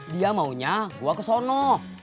dia maunya gua ke sono